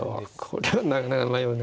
これはなかなか迷うね。